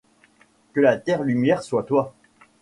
Que la terre lumière soit toi.